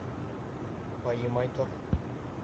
Байымай тор!